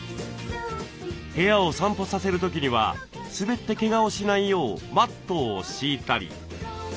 部屋を散歩させる時には滑ってけがをしないようマットを敷いたり。